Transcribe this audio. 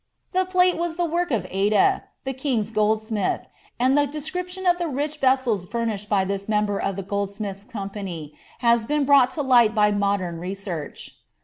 The plate was the woik of Ade. the king's goldsmitl^ Bthf description of the rich vessels furnished by this member of the '''» company has been brought lo light by modem research.